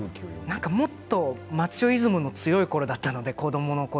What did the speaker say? もっとマッチョイズムの強いころだったので、子どものころ